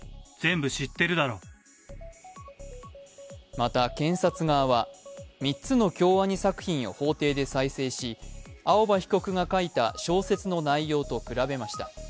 また検察側は３つの京アニ作品を法廷で再生し青葉被告が書いた小説の内容と比べました。